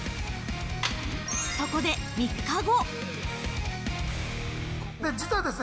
そこで３日後。